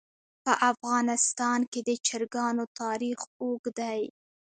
په افغانستان کې د چرګانو تاریخ اوږد دی.